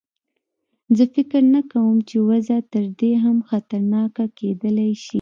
زه فکر نه کوم چې وضع تر دې هم خطرناکه کېدلای شي.